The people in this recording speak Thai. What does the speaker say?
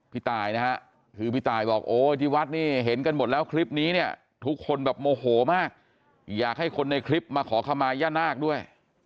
พี่ตายนะฮะคือพี่ตายบอกโอ้ยที่วัดนี่เห็นกันหมดแล้วคลิปนี้เนี่ยทุกคนแบบโมโหมากอยากให้คนในคลิปมาขอขมาย่านาคด้วย